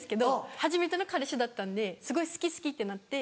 初めての彼氏だったんですごい好き好きってなって。